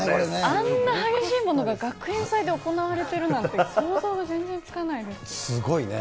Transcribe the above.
あんな激しいものが学園祭で行われているなんて、想像が全然すごいね。